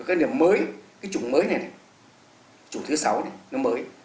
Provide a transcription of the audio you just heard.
cái niềm mới cái chủng mới này này chủng thứ sáu này nó mới